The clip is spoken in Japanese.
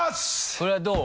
これはどう？